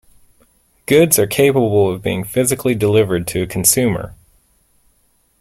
Goods are capable of being physically delivered to a consumer.